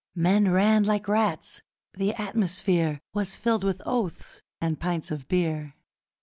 Men ran like rats! The atmosphere Was filled with oaths and pints of beer!